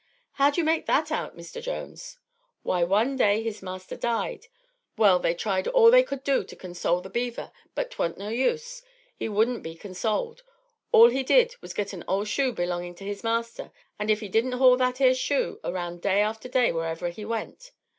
"How do you make that out, Mr. Jones?" "Why, one day his master died. Well, they tried all they could to console the beaver, but it 'twant no use. He wouldn't be consoled. All he did was to git an ole shoe belonging to his master, an' if he didn't haul that ere shoe around day after day wherever he went.